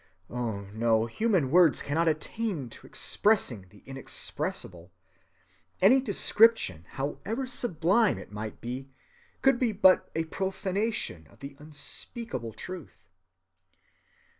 Oh no! human words cannot attain to expressing the inexpressible. Any description, however sublime it might be, could be but a profanation of the unspeakable truth.